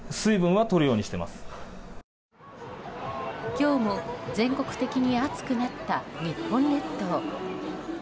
今日も全国的に暑くなった日本列島。